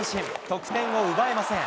得点を奪えません。